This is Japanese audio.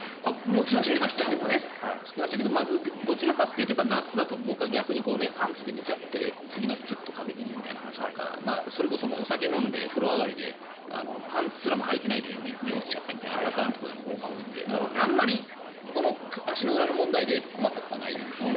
もちろん知ってましたけどどちらかというと夏だと僕はパンツで寝ちゃって次の日、風邪気味みたいな話とかそれこそお酒を飲んで風呂上がりでパンツすらも履いてないで寝落ちするパターンが多いのであまり足の裏の問題で困ったことはないです。